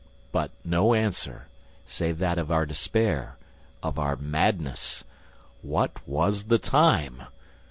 But no answer, save that of our despair, of our madness: what was the time?